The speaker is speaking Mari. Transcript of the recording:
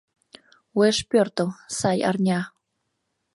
Уэш пӧртыл, сай арня.